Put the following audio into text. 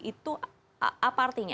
itu apa artinya